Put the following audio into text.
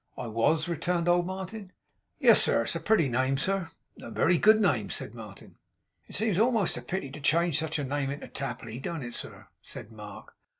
'I was,' returned old Martin 'Yes, sir. It's a pretty name, sir?' 'A very good name,' said Martin. 'It seems a'most a pity to change such a name into Tapley. Don't it, sir?' said Mark.